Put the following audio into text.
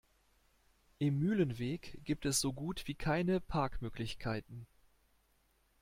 Im Mühlenweg gibt es so gut wie keine Parkmöglichkeiten.